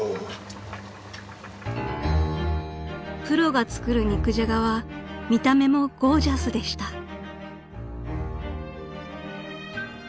［プロが作る肉じゃがは見た目もゴージャスでした］